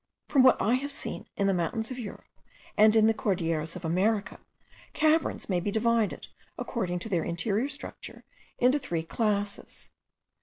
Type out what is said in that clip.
From what I have seen in the mountains of Europe, and in the Cordilleras of America, caverns may be divided, according to their interior structure, into three classes.